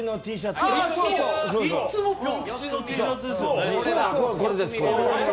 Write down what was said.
いつもピョン吉のＴシャツですよね。